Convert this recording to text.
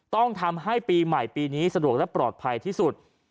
ต้องทำให้ปีใหม่ปีนี้สะดวกและปลอดภัยที่สุด